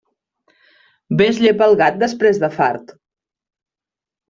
Bé es llepa el gat després de fart.